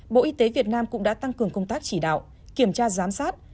bộ y tế việt nam cũng đã tăng cường công tác chỉ đạo kiểm tra giám sát